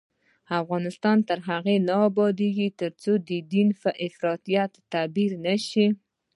افغانستان تر هغو نه ابادیږي، ترڅو دین په افراطیت تعبیر نشي.